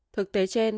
thực tế trên